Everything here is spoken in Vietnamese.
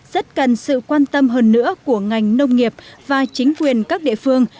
rất cần sự quan tâm hơn nữa của ngành nông nghiệp và chính quyền các địa phương